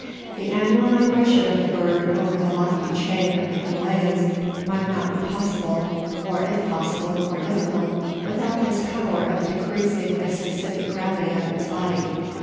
The annual migration of the bird over the lofty chain of the Himalayas might not be possible, or if possible, more difficult, without this power of decreasing the specific gravity of its body.